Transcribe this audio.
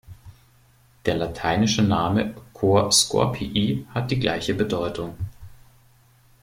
Der lateinische Name „Cor Scorpii“ hat die gleiche Bedeutung.